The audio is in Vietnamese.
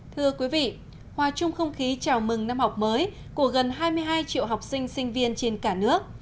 thưa quý vị hòa chung không khí chào mừng năm học mới của gần hai mươi hai triệu học sinh sinh viên trên cả nước